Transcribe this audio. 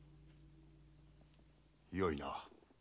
よいな。